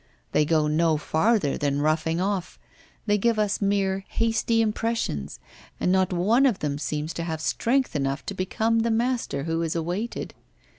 They go no farther than roughing off, they give us mere hasty impressions, and not one of them seems to have strength enough to become the master who is awaited.